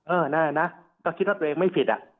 แน่นะก็คิดว่าตัวเองไม่ผิดอ่ะ